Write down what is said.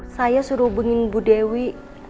saya suruh hubungin bu dewi